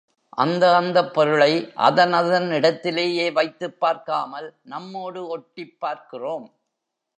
அந்த அந்தப் பொருளை அதன் அதன் இடத்திலேயே வைத்துப் பார்க்காமல் நம்மோடு ஒட்டிப் பார்க்கிறோம்.